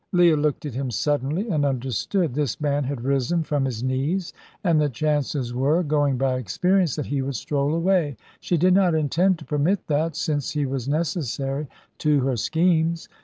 Leah looked at him suddenly and understood. This man had risen from his knees, and the chances were going by experience that he would stroll away. She did not intend to permit that, since he was necessary to her schemes.